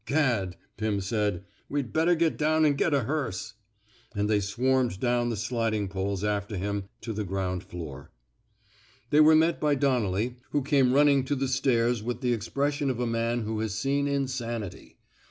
Gad! '^Pim said. ^* We ^d better get down 128 IN THE NATURE OF A HERO an* get a hearse/* And they swarmed down the sliding poles after him to the ground floor. They were met by Donnelly, who came running to the stairs with the expression of a man who has seen insanity.